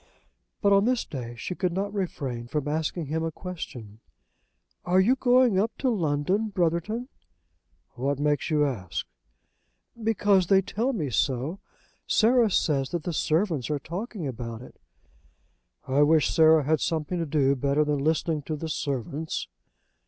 But on this day she could not refrain from asking him a question. "Are you going up to London, Brotherton?" "What makes you ask?" "Because they tell me so. Sarah says that the servants are talking about it." "I wish Sarah had something to do better than listening to the servants?"